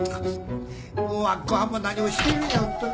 もう明子はんも何をしているんやホントに。